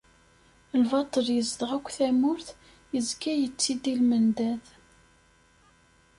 Lbaṭel yezdeɣ akk tamurt yezga yetti-d i lmendad.